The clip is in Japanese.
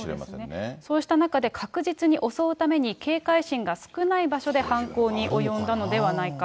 そうですね、そうした中で確実に襲うために警戒心が少ない場所で犯行に及んだのではないか。